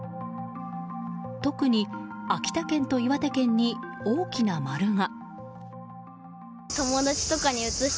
特に秋田県と岩手県に大きな丸が。